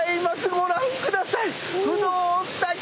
ご覧ください。